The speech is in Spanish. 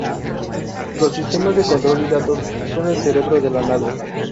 Los sistemas de control y datos son el "cerebro de la nave".